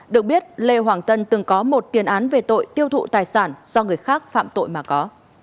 được biết lê hoàng tân từng có một tiền án về tội tiêu thụ tài sản do người khác phạm tội mà có